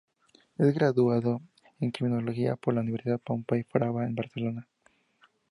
Es graduado en criminología por la Universidad Pompeu Fabra de Barcelona.